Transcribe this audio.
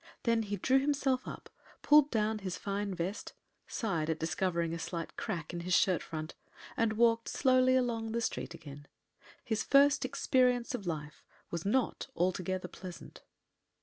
Then he drew himself up, pulled down his fine vest, sighed at discovering a slight crack in his shirt front, and walked slowly along the street again. His first experience of life was not altogether pleasant.